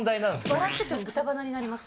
笑ってても豚鼻になります。